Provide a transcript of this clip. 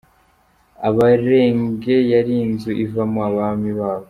Abarenge yari inzu ivamo Abami babo.